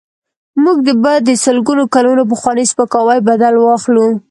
موږ به د سلګونو کلونو پخواني سپکاوي بدل واخلو.